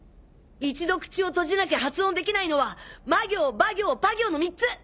一度口を閉じなきゃ発音できないのはま行ば行ぱ行の３つ！